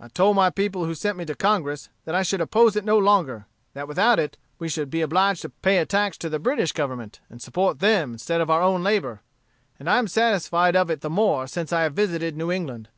I told my people who sent me to Congress, that I should oppose it no longer: that without it, we should be obliged to pay a tax to the British Government, and support them, instead of our own labor. And I am satisfied of it the more since I have visited New England.